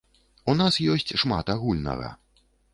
У нас ёсць шмат агульнага.